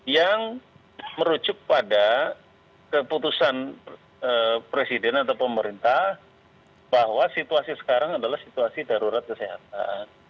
yang merujuk pada keputusan presiden atau pemerintah bahwa situasi sekarang adalah situasi darurat kesehatan